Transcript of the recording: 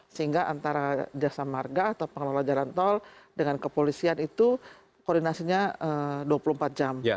sehingga antara jasa marga atau pengelola jalan tol dengan kepolisian itu koordinasinya dua puluh empat jam